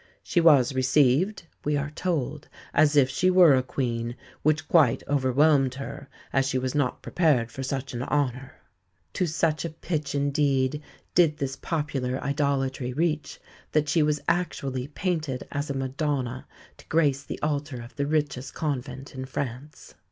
"She was received," we are told, "as if she were a Queen, which quite overwhelmed her, as she was not prepared for such an honour." To such a pitch indeed did this popular idolatry reach that she was actually painted as a Madonna to grace the altar of the richest convent in France.